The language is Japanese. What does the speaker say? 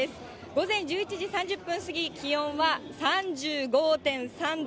午前１１時３０分過ぎ、気温は３５．３度。